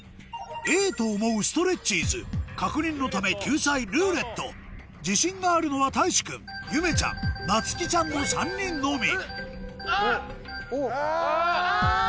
Ａと思うストレッチーズ確認のため救済「ルーレット」自信があるのはたいし君ゆめちゃんなつきちゃんの３人のみあ！